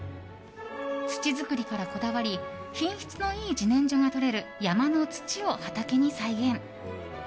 土作りからこだわり品質のいい自然薯がとれる山の土を畑に再現。